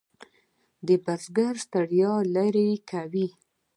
د بزګر ستړیا لرې کوي.